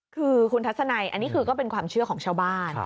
คือคุณทัศนัยอันนี้คือก็เป็นความเชื่อของชาวบ้าน